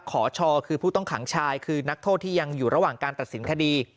ขอชอคือผู้ต้องขังชายคือนักโทษที่ยังอยู่ระหว่างการตัดสินคดี